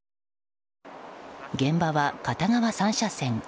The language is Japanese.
現場は片側３車線。